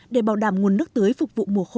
để bảo đảm nguồn nước tưới phục vụ mùa khô